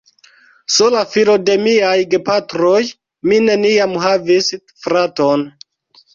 Sola filo de miaj gepatroj, mi neniam havis fraton.